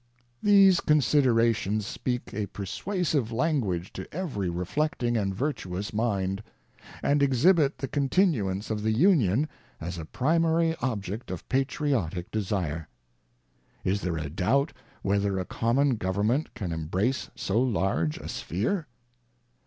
These considerations speak a persuasive language to every reflecting and virtuous mind, ŌĆö and exhibit the continuance of the Union as a primary object of Patriotic de sire. ŌĆö Is there a doubt, whether a common government can embrace so large a sphere